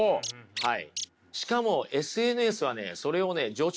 はい。